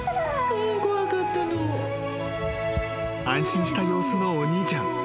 ［安心した様子のお兄ちゃん］